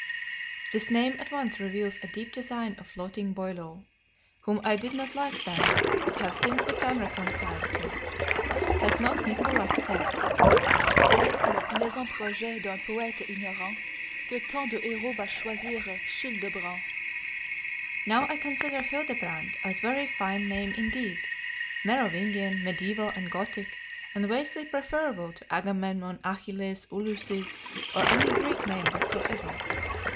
"This name at once reveals a deep design of flouting Boileau, whom I did not like then, but have since become reconciled to. Has not Nicholas said: "'O le plaisant projet d'un poëte ignorant Que de tant de héros va choisir Childebrant!' "Now I considered Childebrand a very fine name indeed, Merovingian, mediaeval, and Gothic, and vastly preferable to Agamemnon, Achilles, Ulysses, or any Greek name whatsoever.